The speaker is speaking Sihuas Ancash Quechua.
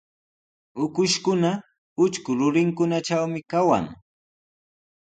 Ukushkuna utrku rurinkunatrawmi kawan.